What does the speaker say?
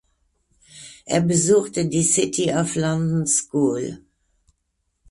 Er besuchte die City of London School.